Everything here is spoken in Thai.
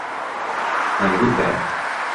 ในรูปแบบ